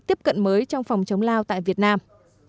tiếp cận mới trong phòng chống lao tại việt nam